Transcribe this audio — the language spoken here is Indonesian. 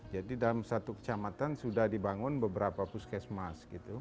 jadi dalam satu kecamatan sudah dibangun beberapa puskesmas